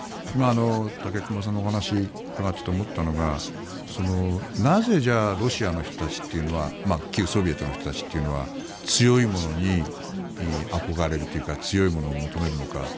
武隈さんのお話を伺っていて思ったのがなぜ、ロシアの人たちは旧ソビエトの人たちというのは強い者に憧れるというか強い者を求めるのか。